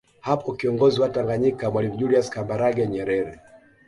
Hapo kiongozi wa Tanganyika Mwalimu Julius Kambarage Nyerere